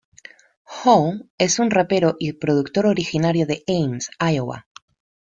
Hall, es un rapero y productor originario de Ames, Iowa.